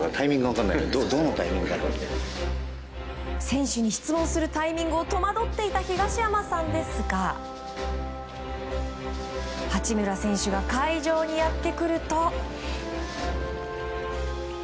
選手に質問するタイミングを戸惑っていた東山さんですが八村選手が会場にやってくると。